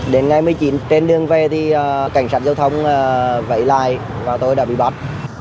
đến ngày một mươi chín trên đường về thì cảnh sát giao thông vẫy lại và tôi đã bị bắt